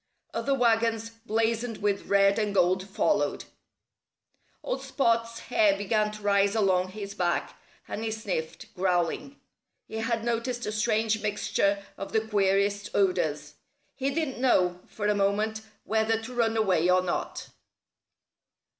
Other wagons, blazoned with red and gold, followed. Old dog Spot's hair began to rise along his back and he sniffed, growling. He had noticed a strange mixture of the queerest odors. He didn't know, for a moment, whether to run away or not.